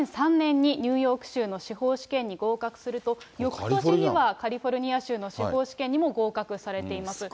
２００３年にニューヨーク州の司法試験に合格すると、よくとしにはカリフォルニア州の司法試験にも合格されています。